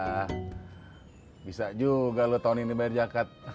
nah bisa juga lo tahun ini bayar zakat